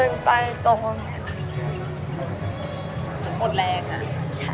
ไม่มีแรงเดินไปต่อแม่ง